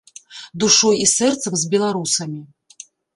Душой і сэрцам з беларусамі.